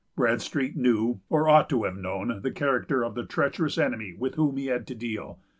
Bradstreet knew, or ought to have known, the character of the treacherous enemy with whom he had to deal.